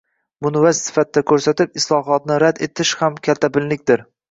Buni vaj sifatida ko‘rsatib, islohotni rad etish ham kaltabinlikdir.